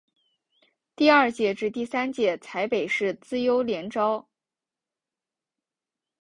第二届至第三届采北市资优联招。